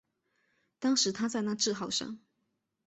当时他在那智号上。